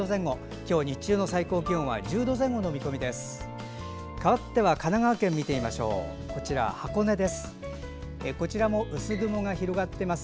今日、日中の最高気温は１０度前後の見込みです。